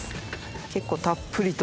結構たっぷりと。